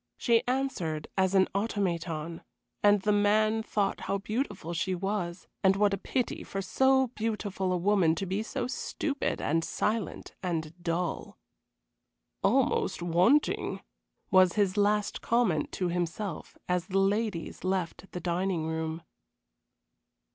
She answered as an automaton, and the man thought how beautiful she was, and what a pity for so beautiful a woman to be so stupid and silent and dull. "Almost wanting," was his last comment to himself as the ladies left the dining room.